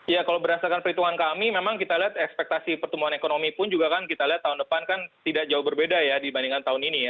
ya kalau berdasarkan perhitungan kami memang kita lihat ekspektasi pertumbuhan ekonomi pun juga kan kita lihat tahun depan kan tidak jauh berbeda ya dibandingkan tahun ini ya